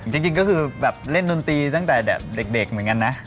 จริงก็คือแบบเล่นดนตรีตั้งแต่เด็กเหมือนกันนะ